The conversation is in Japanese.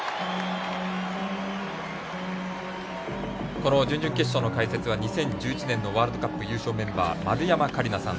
この準々決勝の解説は２０１１年のワールドカップ優勝メンバー丸山桂里奈さん。